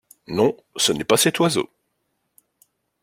Non, ce n'est pas cet oiseau!